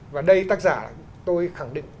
và đây tác giả tôi khẳng định